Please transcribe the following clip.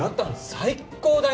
最高だよ？